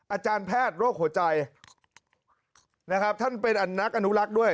อาจารย์แพทย์โรคหัวใจนะครับท่านเป็นนักอนุรักษ์ด้วย